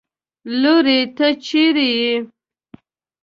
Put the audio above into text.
لورې! ته چېرې يې؟